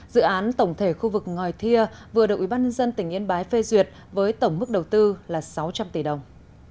dự án tổng thể khu vực ngòi thia vừa được ubnd tỉnh yên bái phê duyệt với tổng mức đầu tư là sáu trăm linh tỷ đồng